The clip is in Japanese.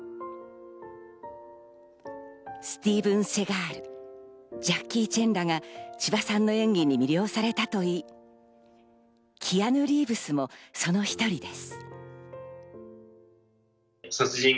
スティーブン・セガール、ジャッキー・チェンらが千葉さんの演技に魅了されたといい、キアヌ・リーブスもその１人です。